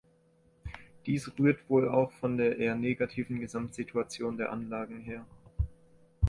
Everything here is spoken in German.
Dies rührt wohl auch von der eher negativen Gesamtsituation der Anlagen her.